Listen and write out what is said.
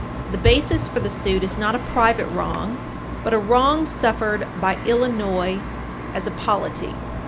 The basis for the suit is not a private wrong, but a wrong suffered by Illinois as a polity.